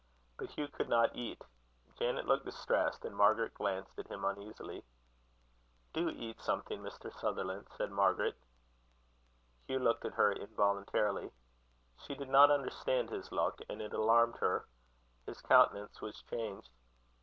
But Hugh could not eat. Janet looked distressed, and Margaret glanced at him uneasily. "Do eat something, Mr. Sutherland," said Margaret. Hugh looked at her involuntarily. She did not understand his look, and it alarmed her. His countenance was changed.